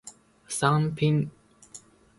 サンピン